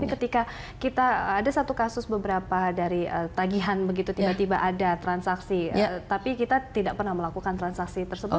ketika kita ada satu kasus beberapa dari tagihan begitu tiba tiba ada transaksi tapi kita tidak pernah melakukan transaksi tersebut